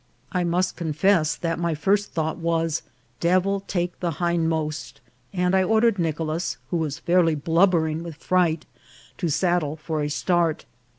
I must confess that my first thought was " devil take the hindmost," and I ordered Nicolas, who was fairly blubbering with fright, to saddle for a start.